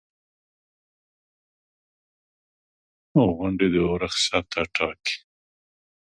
• غونډۍ د اورښت سطحه ټاکي.